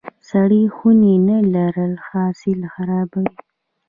سړې خونې نه لرل حاصل خرابوي.